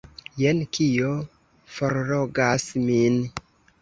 Jen kio forlogas min!